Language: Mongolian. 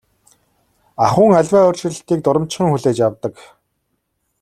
Ахуйн аливаа өөрчлөлтийг дурамжхан хүлээж авдаг.